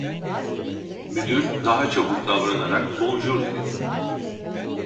Müdür daha çabuk davranarak: "Bonjur!" dedi.